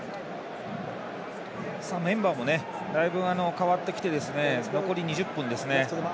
メンバーもだいぶ変わってきて残り２０分ですね。